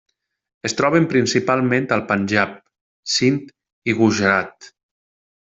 Es troben principalment al Panjab, Sind i Gujarat.